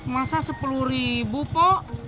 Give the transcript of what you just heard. masa sepuluh ribu pok